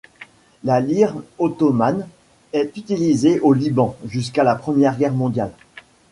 La lire ottomane est utilisée au Liban jusqu’à la Première Guerre mondiale.